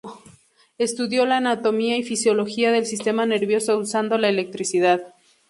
Estudió la anatomía y fisiología del sistema nervioso usando la electricidad.